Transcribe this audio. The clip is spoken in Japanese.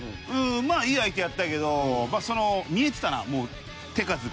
まあいい相手やったけどまあその見えてたなもう手数が。